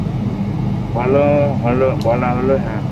বলা হলো, হ্যাঁ।